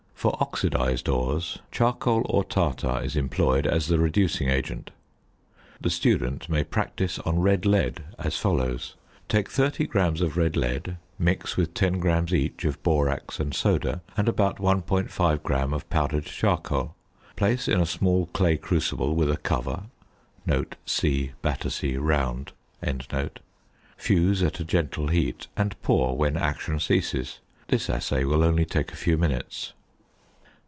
For oxidised ores, charcoal or tartar is employed as the reducing agent. The student may practise on red lead as follows: Take 30 grams of red lead; mix with 10 grams each of borax and "soda" and about 1.5 gram of powdered charcoal; place in a small clay crucible with a cover (C. Battersea round), fuse at a gentle heat, and pour when action ceases. This assay will only take a few minutes.